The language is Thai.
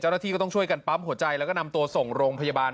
เจ้าหน้าที่ก็ต้องช่วยกันปั๊มหัวใจแล้วก็นำตัวส่งโรงพยาบาล